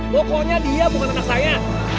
pokoknya dia bukan anak saya